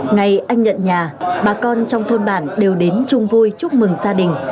ngày anh nhận nhà bà con trong thôn bản đều đến chung vui chúc mừng gia đình